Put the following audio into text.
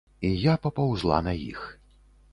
І я папаўзла на іх.